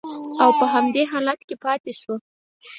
او په همدې حالت کې پاتې شوه